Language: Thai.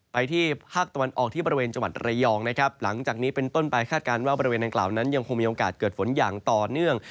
ไปที่ภาคตะวันออกที่บริเวณจังหวัดระยองนะครับหลังจากนี้เป็นต้นไปคาดการณ์ว่าบริเวณดังกล่าวนั้นยังคงมีโอกาสเกิดฝนอย่างต่อเนื่อง